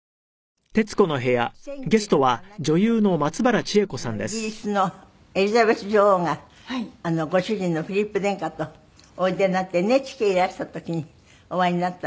１９７５年にイギリスのエリザベス女王がご主人のフィリップ殿下とおいでになってＮＨＫにいらした時にお会いになったんですってね？